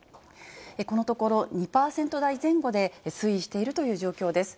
このところ、２％台前後で推移しているという状況です。